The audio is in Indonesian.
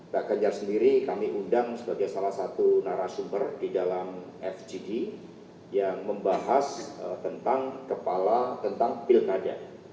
pak ganjar sendiri kami undang sebagai salah satu narasumber di dalam fgd yang membahas tentang kepala tentang pilkada